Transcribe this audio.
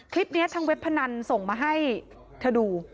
คลิปนี้ทางเว็บพนันส่งมาให้เธอดู